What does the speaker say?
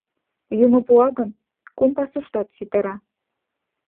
Юмо пуа гын, кум пасуштат ситара.